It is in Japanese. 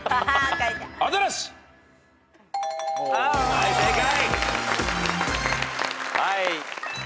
はい正解。